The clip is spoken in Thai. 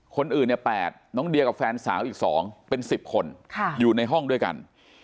คนอื่นเนี่ย๘น้องเดียกับแฟนสาวอีก๒เป็น๑๐คนอยู่ในห้องด้วยกัน